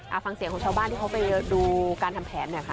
เอาฟังเสียงของชาวบ้านที่เขาไปดูการทำแผนหน่อยค่ะ